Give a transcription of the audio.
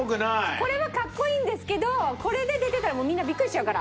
これはかっこいいんですけどこれで出てたらみんなビックリしちゃうから。